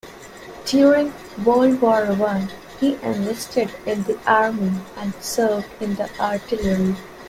During World War One he enlisted in the Army and served in the artillery.